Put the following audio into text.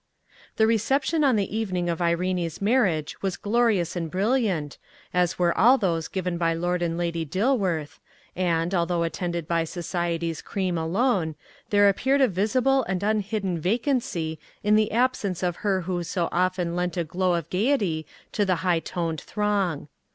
The reception on the evening of Irene's marriage was glorious and brilliant, as were all those given by Lord and Lady Dilworth, and, although attended by society's cream alone, there appeared a visible and unhidden vacancy in the absence of her who so often lent a glow of gaiety to the high toned throng.